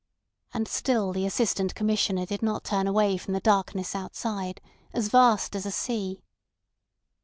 And still the Assistant Commissioner did not turn away from the darkness outside, as vast as a sea.